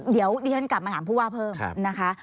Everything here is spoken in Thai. เดี๋ยวดิฉันกลับมาถามผู้ว่าเพิ่มนะคะ